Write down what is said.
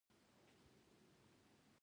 بوتل د سفر پر مهال آسانتیا برابروي.